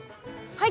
はい！